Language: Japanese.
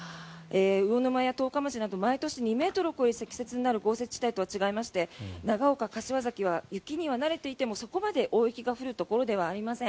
魚沼や十日町など毎年２ｍを超える豪雪地帯とは違いまして長岡、柏崎は雪に慣れていてもそこまで大雪が降るところではありません。